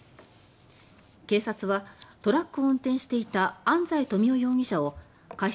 警察はトラックを運転していた安在富夫容疑者を過失